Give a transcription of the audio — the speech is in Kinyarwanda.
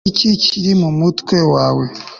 ni iki kiri mu mutwe wawe